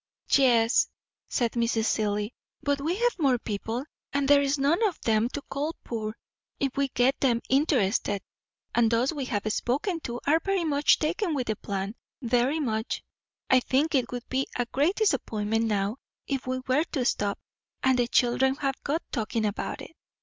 "Yes," said Mrs. Seelye; "but we have more people, and there's none of 'em to call poor. If we get 'em interested and those we have spoken to are very much taken with the plan very much; I think it would be a great disappointment now if we were to stop; and the children have got talking about it.